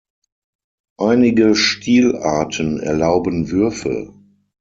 Einige Stilarten erlauben Würfe.